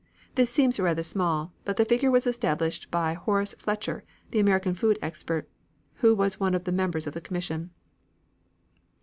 This seems rather small, but the figure was established by Horace Fletcher, the American food expert, who was one of the members of the commission.